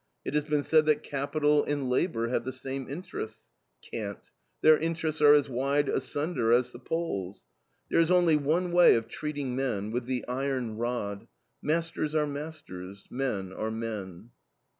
It has been said that Capital and Labor have the same interests. Cant. Their interests are as wide asunder as the poles. There is only one way of treating men with the iron rod. Masters are masters. Men are men."